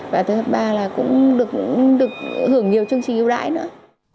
và thứ ba là cũng được hưởng nhiều chương trình ưu đãi nữa